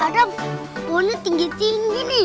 ada bonekanya tinggi tinggi nih